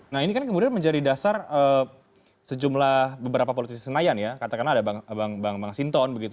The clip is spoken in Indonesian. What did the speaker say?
nah ini kan kemudian menjadi dasar sejumlah beberapa politisi senayan ya katakanlah ada bang sinton begitu